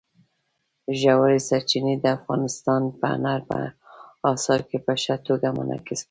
ژورې سرچینې د افغانستان په هنر په اثار کې په ښه توګه منعکس کېږي.